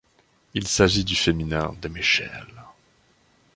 Il s'agit du féminin de Michel.